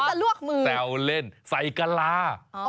มันก็จะลวกมือแซวเล่นใส่กะลา